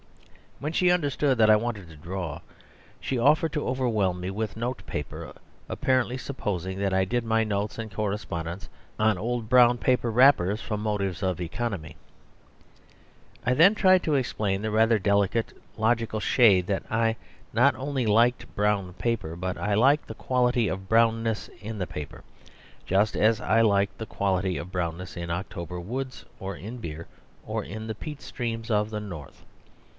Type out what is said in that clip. When she understood that I wanted to draw she offered to overwhelm me with note paper, apparently supposing that I did my notes and correspondence on old brown paper wrappers from motives of economy. I then tried to explain the rather delicate logical shade, that I not only liked brown paper, but liked the quality of brownness in paper, just as I liked the quality of brownness in October woods, or in beer, or in the peat streams of the North.